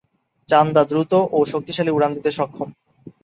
চান্দা দ্রুত ও শক্তিশালী উড়ান দিতে সক্ষম।